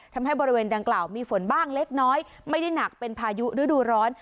ทำให้บริเวณดังกล่าวมีฝนบ้างเล็กน้อยไม่ได้หนักเป็นพายุฤดูร้อน